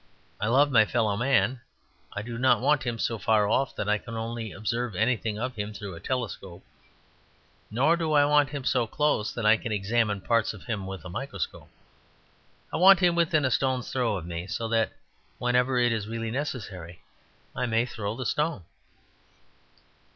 I love my fellow man; I do not want him so far off that I can only observe anything of him through a telescope, nor do I want him so close that I can examine parts of him with a microscope. I want him within a stone's throw of me; so that whenever it is really necessary, I may throw the stone.